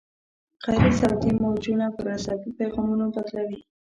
غوږ صوتي موجونه پر عصبي پیغامونو بدلوي.